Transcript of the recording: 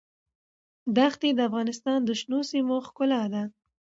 دښتې د افغانستان د شنو سیمو ښکلا ده.